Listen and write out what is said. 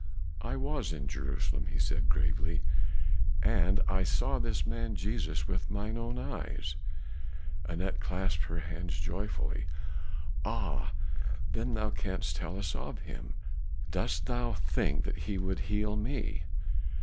"I was in Jerusalem," he said gravely, "and I saw this man Jesus with mine own eyes." Anat clasped her hands joyfully. "Ah! then thou canst tell us of him. Dost thou think that he would heal me?